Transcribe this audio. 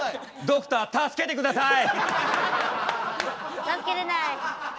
ドクター助けて下さい！